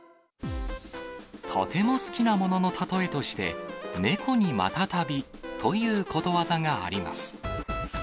とても好きなもののたとえとして、猫にまたたびということわざがあります。